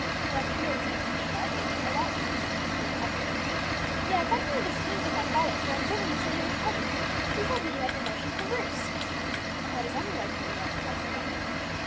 "Yon field seems to be divided into allotments," observed Captain Arrows. "Yes; that's one of the schemes of my father for improving the state of his peasants; he says that he had the notion from Bruce." "And how does Emmie like her new life?" asked the captain.